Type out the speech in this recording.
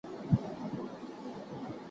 په ناحقه خيټه مه مړوئ.